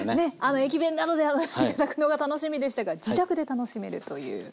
駅弁などで頂くのが楽しみでしたが自宅で楽しめるという。